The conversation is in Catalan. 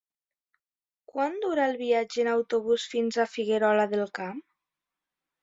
Quant dura el viatge en autobús fins a Figuerola del Camp?